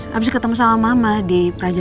habis ketemu sama mama di praja